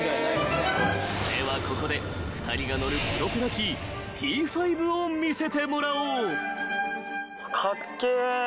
［ではここで２人が乗るプロペラ機Ｔ−５を見せてもらおう］かっけえ。